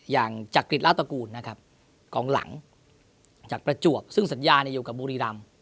จักริจราตระกูลนะครับกองหลังจากประจวบซึ่งสัญญาอยู่กับบุรีรำ